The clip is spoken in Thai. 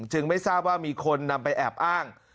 ไม่ทราบว่ามีคนนำไปแอบอ้าง